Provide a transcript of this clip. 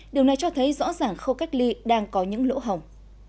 điều này cho thấy rõ ràng khâu cách ly đang có những lỗ hồng